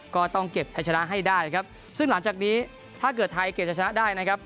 ก็ต้องเก็บให้ชนะให้ได้ครับซึ่งหลังจากนี้ถ้าเกิดไทยเก็บจะชนะได้นะครับ